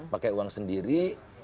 pakai uang sendiri